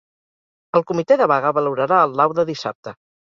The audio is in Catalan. El comitè de vaga valorarà el laude dissabte.